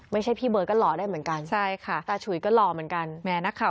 ไม่ใช่พี่เบิร์ดก็หล่อได้เหมือนกันตาฉุยก็หล่อเหมือนกันแม่นักข่าว